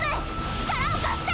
力を貸して！